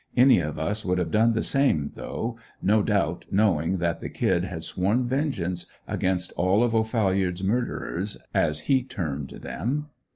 Any of us would have done the same though, no doubt, knowing that the "Kid" had sworn vengeance against all of O'Phalliard's "murderers" as he termed them.